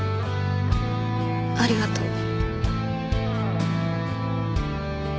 ありがとう。